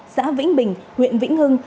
xã vĩnh bình huyện vĩnh hưng